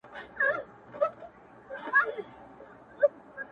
دغه غوښتنه كوي دا اوس د دعــا پــــر پـــــــاڼـــــه ـ